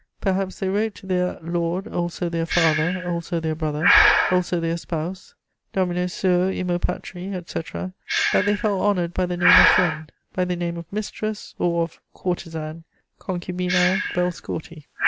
Perhaps they wrote to their "lord, also their father, also their brother, also their spouse: domino suo, imo patri," etc., that they felt honoured by the name of friend, by the name of "mistress" or of "courtesan: _concubinæ vel scorti.